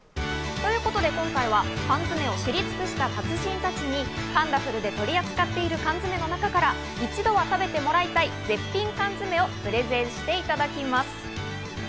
ということで今回は缶詰を知り尽くした達人たちにカンダフルで取り扱っている缶詰の中から一度は食べてもらいたい絶品缶詰をプレゼンしていただきます。